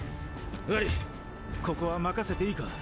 悪ィここは任せていいか。